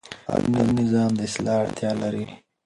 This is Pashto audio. هر نظام د اصلاح اړتیا لري